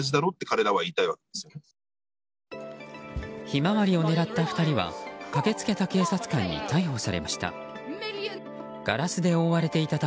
「ひまわり」を狙った２人は駆けつけた警察官に逮捕されました。